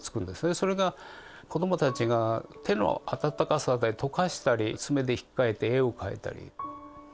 それが子どもたちが手の温かさで解かしたり爪でひっかいて絵を描いたり。